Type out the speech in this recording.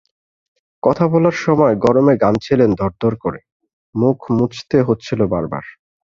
কথা বলার সময় গরমে ঘামছিলেন দরদর করে, মুখ মুছতে হচ্ছিল বারবার।